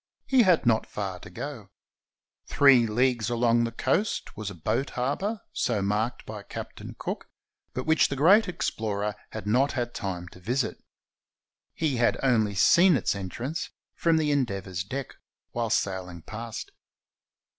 He had not far to go. Three leagues along the coast was a "boat harbor," so marked by Captain Cook, but which the great explorer had not had time to visit. He had only seen its entrance from the Endeavor's deck whilst sailing past.